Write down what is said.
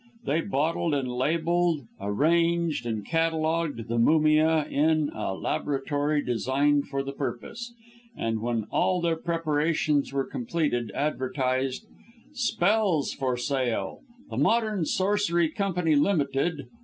They bottled and labelled, and arranged and catalogued, the mumia, in a laboratory designed for the purpose; and, when all their preparations were complete, advertised SPELLS FOR SALE THE MODERN SORCERY COMPANY LTD.